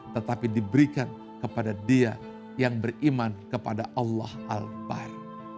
tetapi diberikan kepada dia yang beriman kepada allah al bah